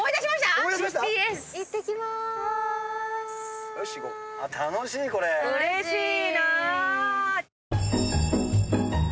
うれしいな！